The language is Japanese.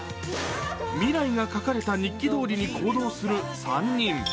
未来が書かれた日記どおりに行動する３人。